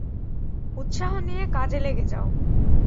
উৎসাহ নিয়ে কাজে লেগে যাও।